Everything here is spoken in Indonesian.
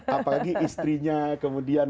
apalagi istrinya kemudian